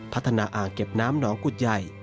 อ่างเก็บน้ำหนองกุฎใหญ่